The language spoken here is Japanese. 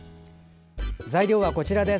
材料はこちらです。